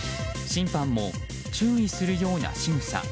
審判も注意するようなしぐさ。